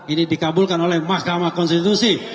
ini dikabulkan oleh mahkamah konstitusi